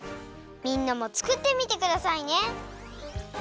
みんなもつくってみてくださいね。